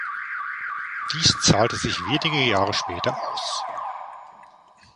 Dies zahlte sich wenige Jahre später aus.